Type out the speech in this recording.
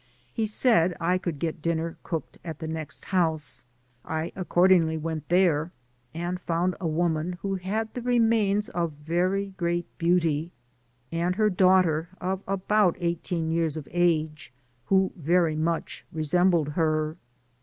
He said I could get dinner cooked at the next house. I accordingly went there, and found a woman who had the remains of very great beauty, and her daughter, of about eighteen years of age, who very much resembled her.